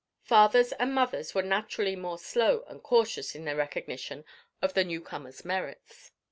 Fathers and mothers were naturally more slow and cautious in their recognition of the newcomer's merits.